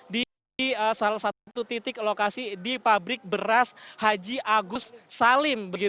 di salah satu titik lokasi di pabrik beras haji agus salim